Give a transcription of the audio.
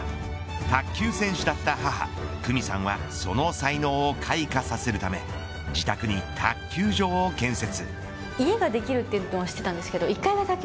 卓球選手だった母久美さんはその才能を開花させるため自宅に卓球場を建設。